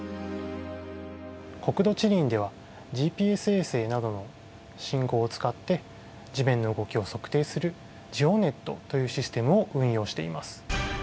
国土地理院ではＧＰＳ衛星などの信号を使って地面の動きを測定する「ＧＥＯＮＥＴ」というシステムを運用しています。